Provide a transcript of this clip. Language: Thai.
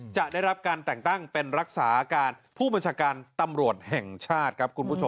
จะได้รับการแต่งตั้งเป็นรักษาการผู้บัญชาการตำรวจแห่งชาติครับคุณผู้ชม